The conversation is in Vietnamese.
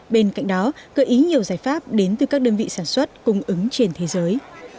bên cạnh đó cơ ý nhiều giải pháp đến từ các đơn vị sản xuất cung ứng trên thế giới